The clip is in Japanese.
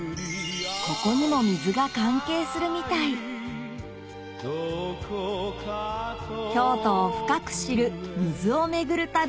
ここにも水が関係するみたい京都を深く知る水を巡る旅